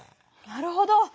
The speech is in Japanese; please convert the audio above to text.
なるほど。